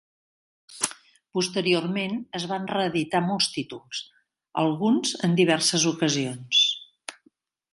Posteriorment es van reeditar molts títols, alguns en diverses ocasions.